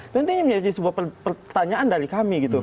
tentunya menjadi sebuah pertanyaan dari kami